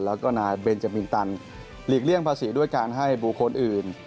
แล้วก็นายเบนจามินตันหลีกเลี่ยงภาษีด้วยการให้บุคคลอื่น